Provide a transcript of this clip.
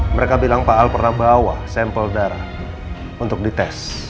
mereka bilang pak al pernah bawa sampel darah untuk dites